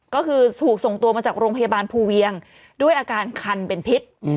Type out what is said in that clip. ก็คือถูกส่งตัวมาจากโรงพยาบาลภูเวียงด้วยอาการคันเป็นพิษ